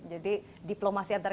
jadi diplomasi antar